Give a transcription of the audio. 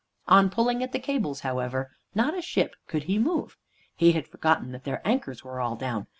On pulling at the cables, however, not a ship could he move. He had forgotten that their anchors were all down.